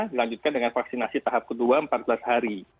dilanjutkan dengan vaksinasi tahap kedua empat belas hari